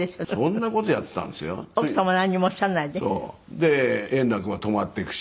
で円楽が泊まっていくし。